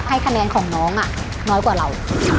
คะแนนของน้องน้อยกว่าเรา